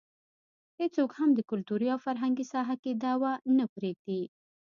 هېڅوک هم د کلتوري او فرهنګي ساحه کې دعوه نه پرېږدي.